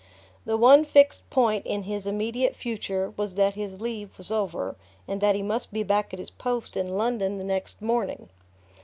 The one fixed point in his immediate future was that his leave was over and that he must be back at his post in London the next morning.